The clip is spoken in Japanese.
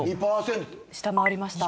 下回りました。